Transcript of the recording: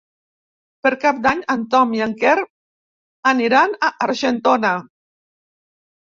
Per Cap d'Any en Tom i en Quer aniran a Argentona.